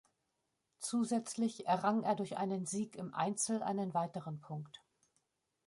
Zusätzlich errang er durch einen Sieg im Einzel einen weiteren Punkt.